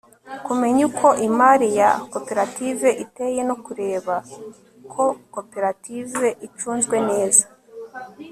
kumenya uko imari ya koperative iteye no kureba ko koperative icunzwe neza